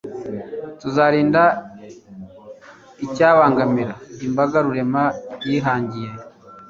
tuzirinda icyabangamira imbaga rurema yihangiye